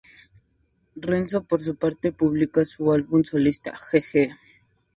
Renzo por su parte publica su álbum solista "Je, Je".